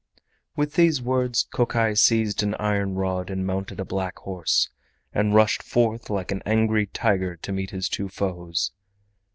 With these words Kokai seized an iron rod and mounted a black horse, and rushed forth like an angry tiger to meet his two foes.